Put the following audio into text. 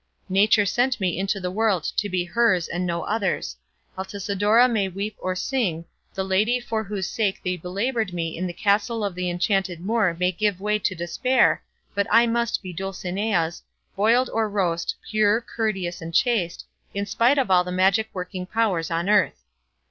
Nature sent me into the world to be hers and no other's; Altisidora may weep or sing, the lady for whose sake they belaboured me in the castle of the enchanted Moor may give way to despair, but I must be Dulcinea's, boiled or roast, pure, courteous, and chaste, in spite of all the magic working powers on earth."